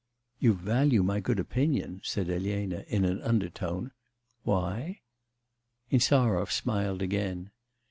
'You value my good opinion,' said Elena, in an undertone, 'why?' Insarov smiled again.